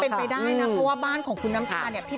แต่ความเป็นไปได้นะเพราะว่าบ้านของคุณน้ำชาเนี่ย